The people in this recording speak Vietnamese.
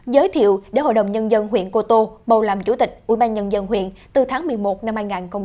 giới thiệu để hội đồng nhân dân huyện cô tô bầu làm chủ tịch ubnd huyện từ tháng một mươi một năm hai nghìn hai mươi